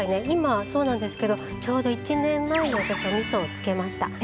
今そうなんですけどちょうど１年前の私がみそをつけました。